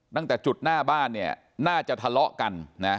ตั้งแต่จุดหน้าบ้านน่าจะทะเลาะกัน